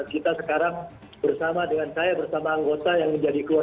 kita sekarang bersama dengan saya bersama anggota yang menjadi keluarga